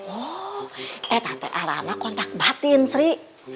oh eh tata arana kontak batin sri